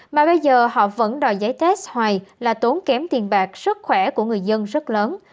mà bây giờ họ vẫn đòi giấy test hoài là tốn kém tiền bạc sức khỏe của người dân rất lớn